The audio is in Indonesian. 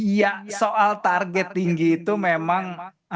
ya soal target tinggi itu memang